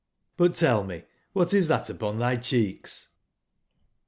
But tell me what is that upon tby cheeks?"